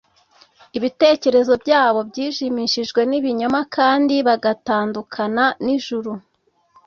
Ibitekerezo byabo byijimishijwe n’ibinyoma kandi bagatandukana n’ijuru.